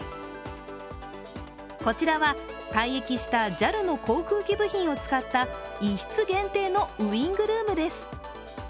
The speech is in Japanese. こちらは退役したＪＡＬの航空機部品を使った１室限定のウイングルームです。